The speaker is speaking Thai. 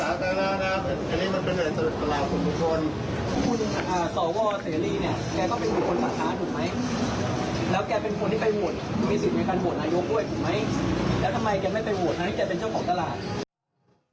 ให้เค้าเป็นเจ้าของตลาด